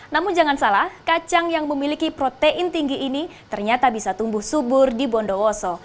namun jangan salah kacang yang memiliki protein tinggi ini ternyata bisa tumbuh subur di bondowoso